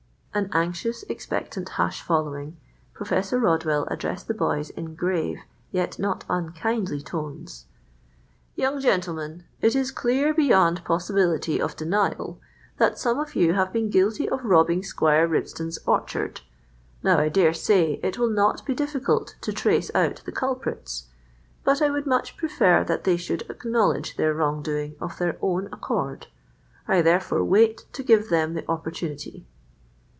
An anxious, expectant hush following, Professor Rodwell addressed the boys in grave yet not unkindly tones:— "Young gentlemen, it is clear beyond possibility of denial that some of you have been guilty of robbing Squire Ribston's orchard. Now, I dare say, it will not be difficult to trace out the culprits, but I would much prefer that they should acknowledge their wrong doing of their own accord. I therefore wait to give them the opportunity."